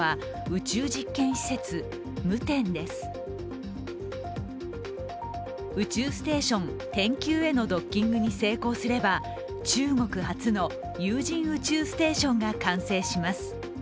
宇宙ステーション「天宮」へのドッキングに成功すれば、中国初の有人宇宙ステーションが完成します。